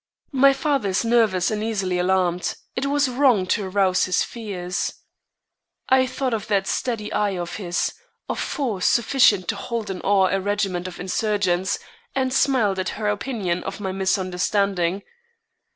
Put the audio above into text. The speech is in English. My father is nervous and easily alarmed. It was wrong to arouse his fears." I thought of that steady eye of his, of force sufficient to hold in awe a regiment of insurgents, and smiled at her opinion of my understanding.